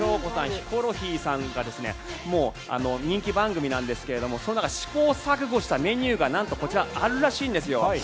ヒコロヒーさんが人気番組なんですが試行錯誤したメニューがなんとこちらあるらしいんですよ。